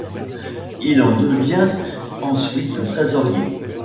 Il en devient ensuite le trésorier.